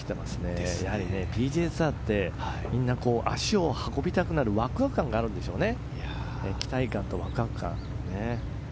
ＰＧＡツアーって足を運びたくなるワクワク感があるんでしょうね。